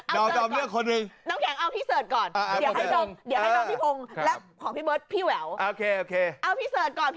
น้องดอมเลือกคนหนึ่งน้องแข็งเอากับพี่เสิร์ธก่อน